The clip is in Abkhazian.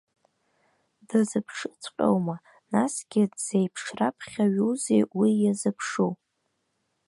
Дазыԥшыҵәҟьоума, насгьы дзеиԥшраԥхьаҩузеи уи иазыԥшу?